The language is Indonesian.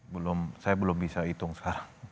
belum saya belum bisa hitung sarah